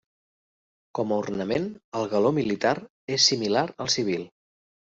Com a ornament, el galó militar és similar al civil.